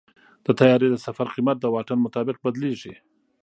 د طیارې د سفر قیمت د واټن مطابق بدلېږي.